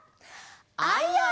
「アイアイ」！